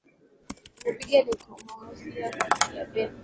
imepigwa na hii demokrasia kwa njia ya ben ali